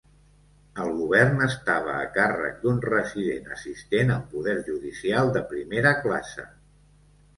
El govern estava a càrrec d'un resident assistent amb poder judicial de primera classe.